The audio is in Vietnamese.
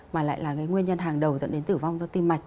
mà lại là cái nguyên nhân hàng đầu dẫn đến tử vong do tim mạch